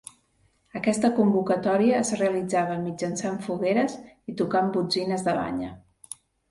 Aquesta convocatòria es realitzava mitjançant fogueres i tocant botzines de banya.